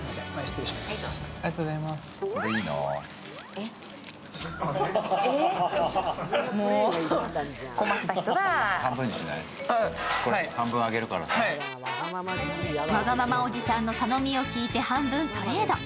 えっ、もうわがままおじさんの頼みを聞いて半分トレード。